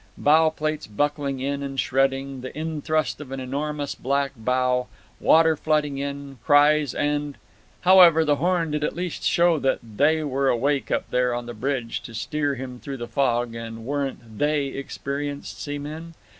Bow plates buckling in and shredding, the in thrust of an enormous black bow, water flooding in, cries and—However, the horn did at least show that They were awake up there on the bridge to steer him through the fog; and weren't They experienced seamen?